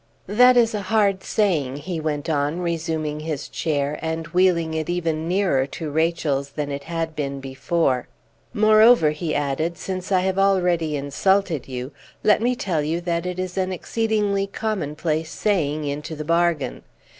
"That is a hard saying," he went on, resuming his chair, and wheeling it even nearer to Rachel's than it had been before; "moreover," he added, "since I have already insulted you, let me tell you that it is an exceedingly commonplace saying, into the bargain.